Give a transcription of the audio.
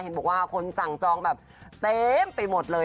เห็นบอกว่าคนสั่งจองแบบเต็มไปหมดเลย